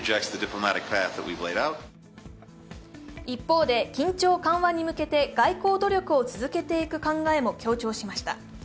一方で緊張緩和に向けて外交努力を続けていく考えも強調しました。